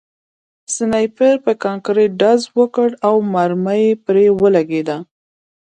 سنایپر په کانکریټ ډز وکړ او مرمۍ پرې ولګېده